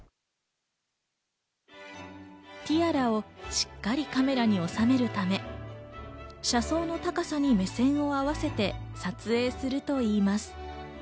ティアラをしっかりカメラに収めるため、車窓の高さに目線を合わせて撮影するといいます。